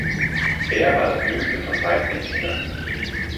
Er war das jüngste von dreizehn Kindern.